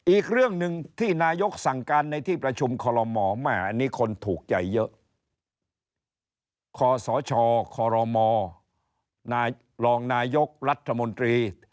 อีกเรื่องหนึ่งที่นายกสั่งการในที่ประชุมคอลโมแม่อันนี้คนถูกใจเยอะคศครมนายรองนายกรัฐมนตรี